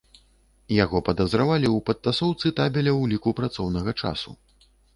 Яго падазравалі ў падтасоўцы табеля ўліку працоўнага часу.